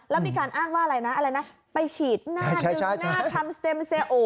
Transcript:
แล้วมีการอ้างว่าอะไรนะอะไรนะไปฉีดหน้าดึงหน้าทำสเต็มเซโอ